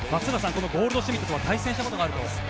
このゴールドシュミットは対戦したことがあると。